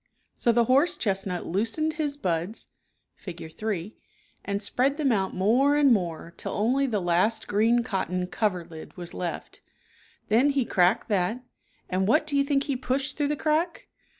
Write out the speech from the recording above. So the horse chestnut loos /'^^ ened his buds (Fig. 3), and \!^ spread them out more and v more till only the last green \ cotton coverlid was left, then he cracked that, and what do you think he pushed through the crack?